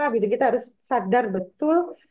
apabila kita harus sadar betul